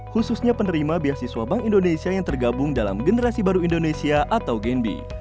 khususnya penerima beasiswa bank indonesia yang tergabung dalam generasi baru indonesia atau genbi